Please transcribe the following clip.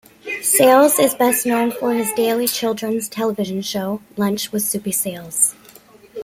Sales is best known for his daily children's television show, "Lunch with Soupy Sales".